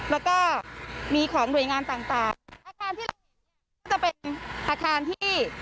แล้วก็มีของโดยงานต่างต่างอาคารที่จะเป็นอาคารที่